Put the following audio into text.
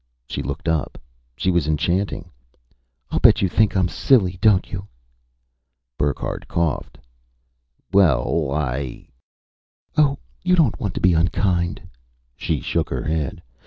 She looked up. She was enchanting. "I bet you think I'm silly, don't you?" Burckhardt coughed. "Well, I " "Oh, you don't want to be unkind!" She shook her head.